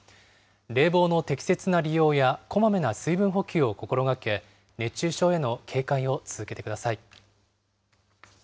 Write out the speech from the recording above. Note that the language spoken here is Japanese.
冷房の適切な利用やこまめな水分補給を心がけ、熱中症への警戒を続けてください。